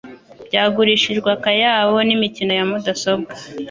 byagurishijwe akayabo n, imikino ya mudasobwa